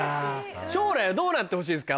将来はどうなってほしいですか？